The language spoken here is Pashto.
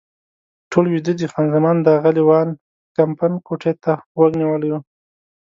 ټول ویده دي، خان زمان د اغلې وان کمپن کوټې ته غوږ نیولی و.